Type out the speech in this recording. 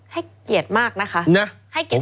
ให้เกียจมากนะคะให้เกียจมาก